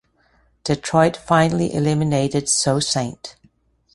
Detroit finally eliminated Sault Ste.